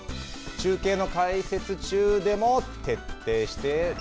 中継の解説中でも、徹底して。